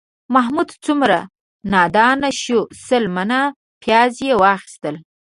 محمود څومره نادان شو، سل منه پیاز یې واخیستل